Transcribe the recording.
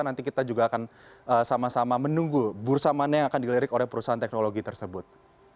nanti kita juga akan sama sama menunggu bursa mana yang akan dilirik oleh perusahaan teknologi tersebut